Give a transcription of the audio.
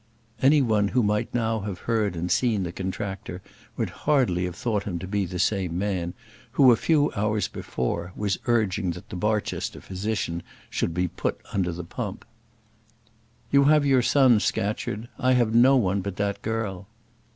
Any one who might now have heard and seen the contractor would have hardly thought him to be the same man who, a few hours before, was urging that the Barchester physician should be put under the pump. "You have your son, Scatcherd. I have no one but that girl."